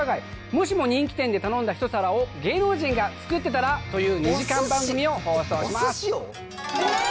もしも人気店で頼んだ一皿を芸能人が作ってたらという２時間番組を放送します。